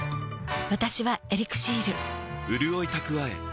私は「エリクシール」